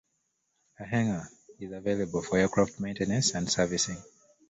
A hangar is available for aircraft maintenance and servicing.